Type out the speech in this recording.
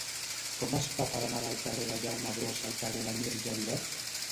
Com es fa per anar del carrer de Jaume Brossa al carrer de Mir Geribert?